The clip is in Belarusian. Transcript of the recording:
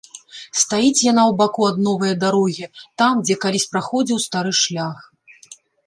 Стаіць яна ў баку ад новае дарогі, там, дзе калісь праходзіў стары шлях.